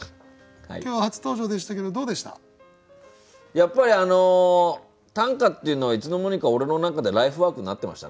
やっぱり短歌っていうのはいつの間にか俺の中でライフワークになってましたね。